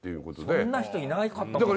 そんな人いなかったかな。